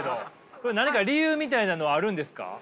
これ何か理由みたいなのはあるんですか？